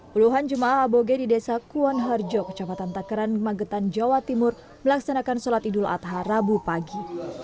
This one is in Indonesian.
puluhan jemaah aboge di desa kuan harjo kecamatan takeran magetan jawa timur melaksanakan sholat idul adha rabu pagi